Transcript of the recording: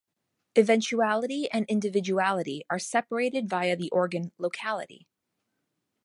Eventuality and Individuality are separated via the organ Locality.